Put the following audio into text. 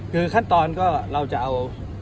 คือขั้นตอนก็เราจะเอา